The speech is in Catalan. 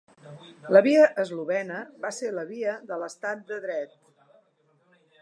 La via eslovena va ser la via de l’estat de dret.